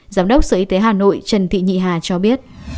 giám đốc sở y tế hà nội trần thị nhị hà cho biết